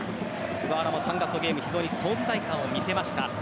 菅原も３月のゲーム非常に存在感を見せました。